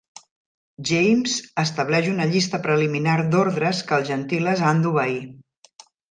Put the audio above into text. James estableix una llista preliminar d'ordres que els Gentiles han d'obeir.